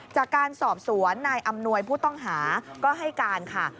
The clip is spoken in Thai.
จากการสอบสวนนายอำนวยผู้ต้องหาก็ให้การค่ะ